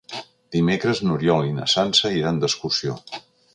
Dimecres n'Oriol i na Sança iran d'excursió.